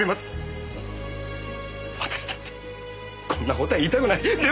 私だってこんな事は言いたくないでも！